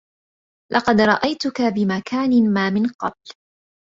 لقد رأيتك بمكان ما من قبل